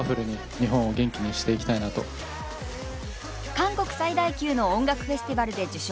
韓国最大級の音楽フェスティバルで受賞！